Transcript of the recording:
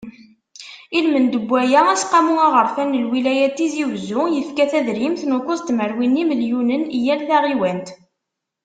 Ilmend n waya, Aseqqamu Aɣerfan n Lwilaya n Tizi Uzzu, yefka tadrimt n ukkuẓ tmerwin n yimelyunen i yal taɣiwant.